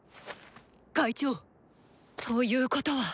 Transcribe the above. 会長！ということは。